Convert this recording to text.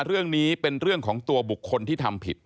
เรื่องนี้เป็นเรื่องของตัวบุคคลที่ทำผิด